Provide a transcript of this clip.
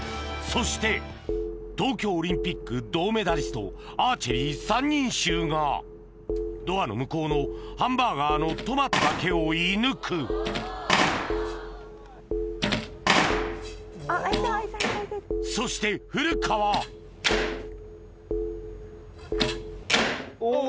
そして東京オリンピック銅メダリストアーチェリー３人衆がドアの向こうのハンバーガーのトマトだけを射抜くそして古川お。